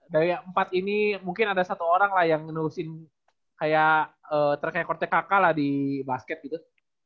dari empat ini mungkin ada satu orang lah yang nerusin kayak terkait korte kakak lah di basket gitu